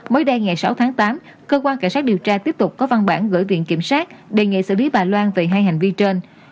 mới đây ngày sáu tháng tám cơ quan cảnh sát điều tra tiếp tục có văn bản gửi viện kiểm sát đề nghị xử lý bà loan về hai hành vi trên